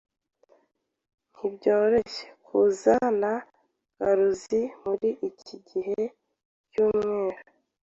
Ntibyoroshye kuza na garuzi muri iki gihe cyumwaka